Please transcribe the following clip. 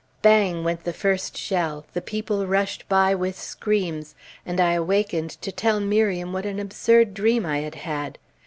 Bang! went the first shell, the people rushed by with screams, and I awakened to tell Miriam what an absurd dream I had had.